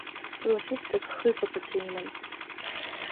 Ҵлаҳәысҭак хҩык аԥацәа иман.